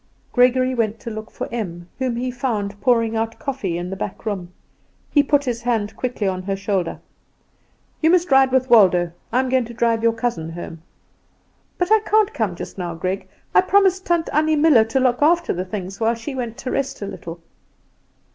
Gregory went to look for Em, whom he found pouring out coffee in the back room. He put his hand quickly on her shoulder. "You must ride with Waldo; I am going to drive your cousin home." "But I can't come just now, Greg; I promised Tant Annie Muller to look after the things while she went to rest a little."